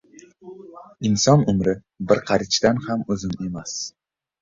• Inson umri bir qarichdan ham uzun emas.